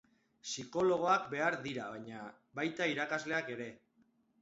Psikologoak behar dira baina, baita irakasleak ere.